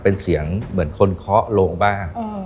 เป็นเสียงเหมือนคนเคาะลงบ้าง